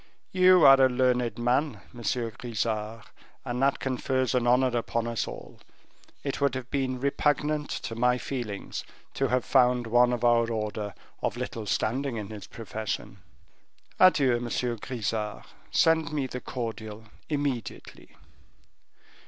You are a learned man, Monsieur Grisart, and that confers an honor upon us all; it would have been repugnant to my feelings to have found one of our order of little standing in his profession. Adieu, Monsieur Grisart; send me the cordial immediately."